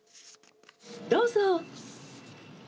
どうぞ。